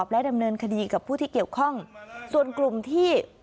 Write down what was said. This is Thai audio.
และดำเนินคดีกับผู้ที่เกี่ยวข้องส่วนกลุ่มที่